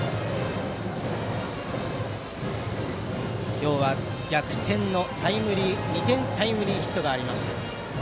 今日は逆転の２点タイムリーヒットがありました。